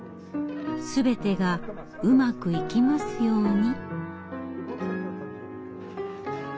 全てがうまくいきますように。